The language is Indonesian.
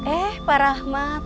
eh pak rahmat